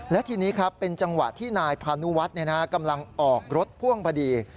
และทีนี้ครับเป็นจังหวะที่นายพานุวัฒน์กำลังออกรถพ่วงพอดี